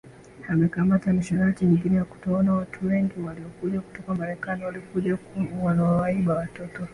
amekamata nationality nyingine ya tunawaona watu wengi ambao walikuja kutoka marekani walikuja wamewaimba watoto